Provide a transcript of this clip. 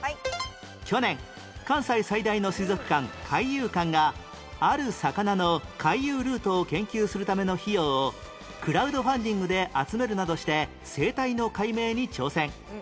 去年関西最大の水族館海遊館がある魚の回遊ルートを研究するための費用をクラウドファンディングで集めるなどして生態の解明に挑戦